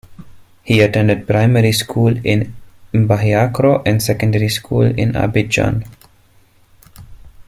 He attended primary school in M'Bahiakro and secondary school in Abidjan.